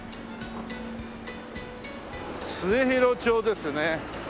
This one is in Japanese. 末広町ですね。